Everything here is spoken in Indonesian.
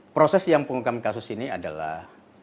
proses yang pengungkapan kasus ini adalah